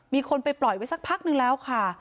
มีคนไปปล่อยไว้สักพักนึงแล้วค่ะ